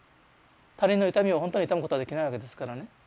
他人の痛みを本当に痛むことはできないわけですからね。